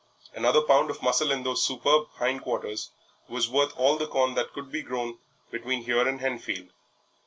Another pound of muscle in those superb hind quarters was worth all the corn that could be grown between here and Henfield.